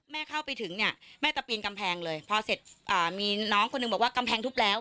เข้าไปถึงเนี่ยแม่ตะปีนกำแพงเลยพอเสร็จอ่ามีน้องคนหนึ่งบอกว่ากำแพงทุบแล้ว